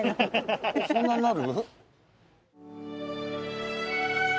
そんなになる？